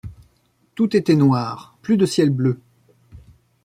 Tout était noir, plus de ciel bleu ;